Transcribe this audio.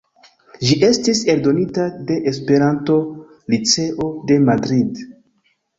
Ĝi estis eldonita de Esperanto-Liceo de Madrid.